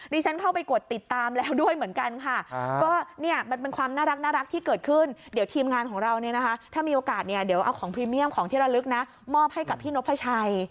ฉันเข้าไปกดติดตามแล้วด้วยเหมือนกันค่ะก็เนี่ยมันเป็นความน่ารักที่เกิดขึ้นเดี๋ยวทีมงานของเราเนี่ยนะคะถ้ามีโอกาสเนี่ยเดี๋ยวเอาของพรีเมียมของที่ระลึกนะมอบให้กับพี่นกพระชัย